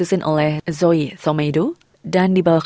dan berbicara dengan baik